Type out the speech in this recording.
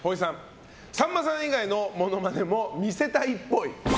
さんまさん以外のモノマネも見せたいっぽい。